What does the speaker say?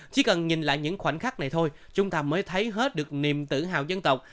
chỉ cần nhìn lại những khoảnh khắc này thôi chúng ta mới thấy hết được niềm tự hào dân tộc